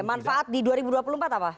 manfaat di dua ribu dua puluh empat apa